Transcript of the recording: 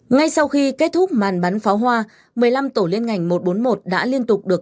ngay sau khi kết thúc màn bắn pháo hoa một mươi năm tổ liên ngành một trăm bốn mươi một đã liên tục được